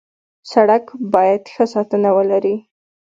سړک باید ښه ساتنه ولري.